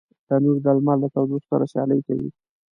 تنور د لمر له تودوخي سره سیالي کوي